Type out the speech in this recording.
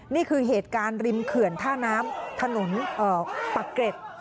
นี่คือเหตุการณ์ริมเขื่อนท่าน้ำถนนปะเกร็ด